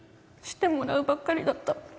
してもらうばっかりだった